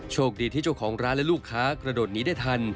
โชคดีที่เจ้าของร้านและลูกค้ากระโดดหนีได้ทัน